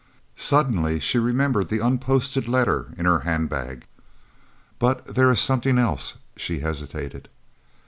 Suddenly she remembered the unposted letter in her handbag. "But there is something else " She hesitated.